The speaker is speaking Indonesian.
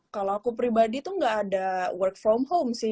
kalau aku pribadi tuh gak ada work from home sih